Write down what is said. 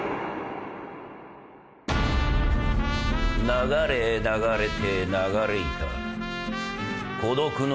流れ流れて流れ板孤独の